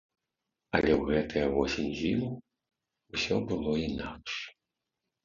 Але ў гэтыя восень-зіму ўсё было інакш.